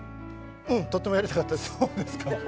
うん、とってもやりたかったんです！